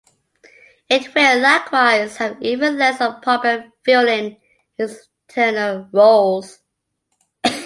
It will likewise have even less of a problem filling its internal roles.